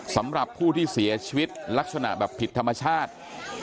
สำหรับผู้ที่เสียชีวิตลักษณะแบบผิดธรรมชาติ